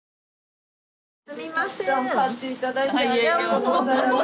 たくさん買っていただいてありがとうございます。